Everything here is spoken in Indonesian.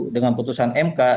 dengan putusan mk